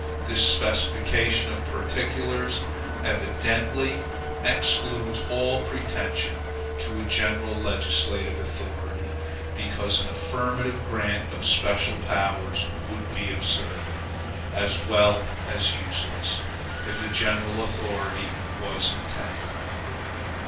This specification of particulars evidently excludes all pretension to a general legislative authority, because an affirmative grant of special powers would be absurd, as well as useless, if a general authority was intended.